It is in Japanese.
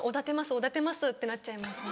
おだてますってなっちゃいますね。